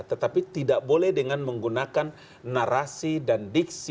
tetapi tidak boleh dengan menggunakan narasi dan diksi